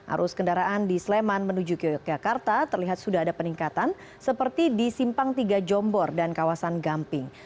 arus kendaraan di sleman menuju ke yogyakarta terlihat sudah ada peningkatan seperti di simpang tiga jombor dan kawasan gamping